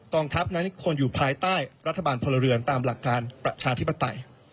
ทัพนั้นควรอยู่ภายใต้รัฐบาลพลเรือนตามหลักการประชาธิปไตย